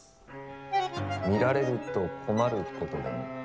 見られると困ることでも？